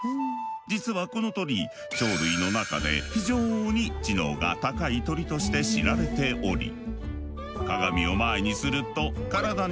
実はこの鳥鳥類の中で非常に知能が高い鳥として知られており。